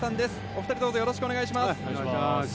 お二人よろしくお願いします。